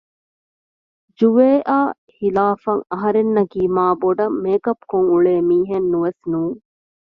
ޖުވޭއާ ހިލާފަށް އަހަރެންނަކީ މާބޮޑަށް މޭކަޕް ކޮށް އުޅޭ މީހެއް ނުވެސް ނޫން